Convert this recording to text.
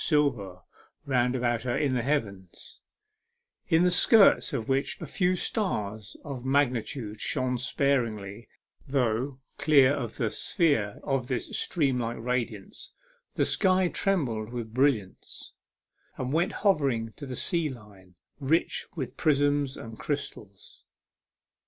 silver round about her in the heavens, in the skirts of which a few stars of magnitude shone sparely, though, clear of the sphere of this steam like radiance, the sky trembled with brilliants, and went hovering to the sea line, rich with prisms and crystals.